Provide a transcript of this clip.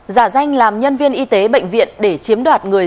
giả danh làm nhân viên y tế bệnh viện để chiếm đoạt người